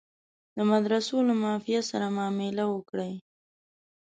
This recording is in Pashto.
د مدرسو له مافیا سره معامله وکړي.